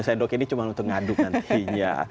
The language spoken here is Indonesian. sendok ini cuma untuk ngaduk nantinya